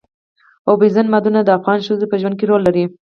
اوبزین معدنونه د افغان ښځو په ژوند کې رول لري.